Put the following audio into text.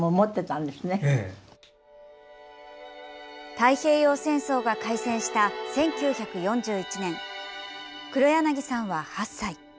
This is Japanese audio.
太平洋戦争が開戦した１９４１年、黒柳さんは８歳。